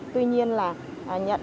tuy nhiên là